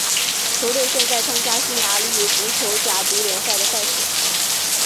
球队现在参加匈牙利足球甲级联赛的赛事。